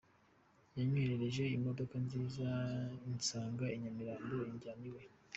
Yanyoherereje imodoka nziza insanga i Nyamirambo injyana iwe.